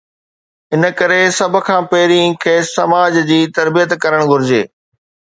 ان ڪري سڀ کان پهرين کيس سماج جي تربيت ڪرڻ گهرجي.